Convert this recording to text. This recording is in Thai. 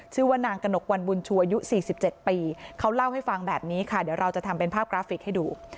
ชื่อว่านางกระหนกวันบุญชูอายุ๔๗ปีเขาเล่าให้ฟังแบบนี้ค่ะเดี๋ยวเราจะทำเป็นภาพกราฟิกให้ดู